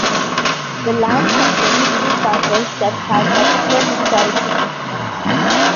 The land contained three parcels that had particular historic significance.